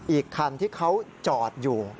อีกคันที่เขาจอดอยู่